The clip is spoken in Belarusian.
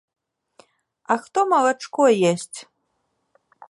А хто малачко есць?